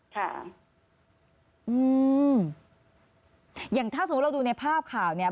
ค่ะอืมอย่างถ้าสมมุติเราดูในภาพข่าวเนี่ย